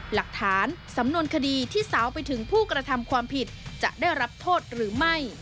หลักฐานสำนวนคดีที่สาวไปถึงผู้กระทำความผิดจะได้รับโทษหรือไม่